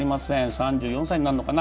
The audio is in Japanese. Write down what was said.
３４歳になるのかな。